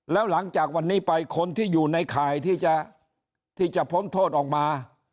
แล้วหลังจากวันนี้ไปคนที่อยู่ในข่ายที่จะพ้นโทษออกมา